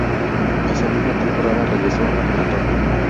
Esa misma temporada regresó a Marathón.